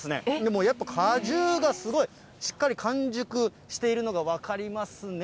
もうやっぱ果汁がすごい、しっかり完熟しているのが分かりますね。